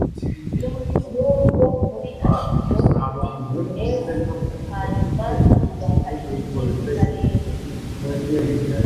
n urwo muri ashidodi f hanyuma yubaka imigi mu karere